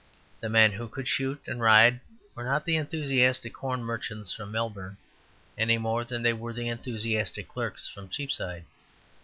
The men who could shoot and ride were not the enthusiastic corn merchants from Melbourne, any more than they were the enthusiastic clerks from Cheapside.